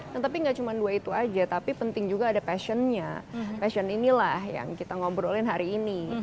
nah tapi gak cuma dua itu aja tapi penting juga ada passionnya passion inilah yang kita ngobrolin hari ini